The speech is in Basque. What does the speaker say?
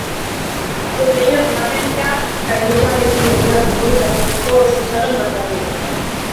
Urdinen hondamendia kaiukoarekin egindako immunitate-joko oso txarrak markatu du.